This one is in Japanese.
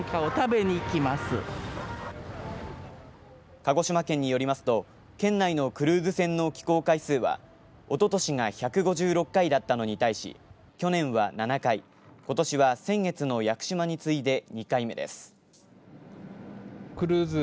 鹿児島県によりますと県内のクルーズ船の寄港回数はおととしが１５６回だったのに対し去年は７回、ことしは先月の屋久島に次いで２回目です。